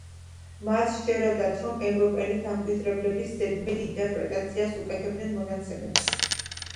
მათ სჯეროდათ, რომ ევროპელი დამკვირვებლები ზედმეტ ინტერპრეტაციას უკეთებდნენ მონაცემებს.